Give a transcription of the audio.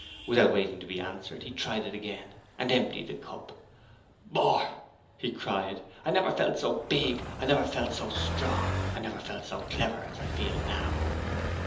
Without waiting to be answered, he tried it again, and emptied the cup. "More!" he cried. "I never felt so big, I never felt so strong, I never felt so clever, as I feel now!"